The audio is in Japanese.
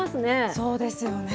そうですよね。